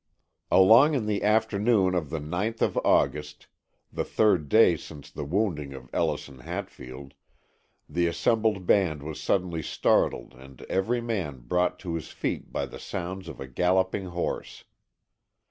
Along in the afternoon of the 9th of August, the third day since the wounding of Ellison Hatfield, the assembled band was suddenly startled and every man brought to his feet by the sounds of a galloping horse.